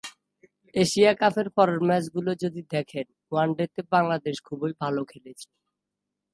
Asia কাপের পরের ম্যাচগুলো যদি দেখেন, ওয়ানডেতে বাংলাদেশ খুবই ভালো খেলেছে।